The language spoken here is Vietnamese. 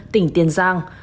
tỉnh tiền giang